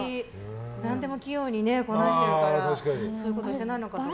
何でも器用にこなしてるからそういうことしてないのかと思って。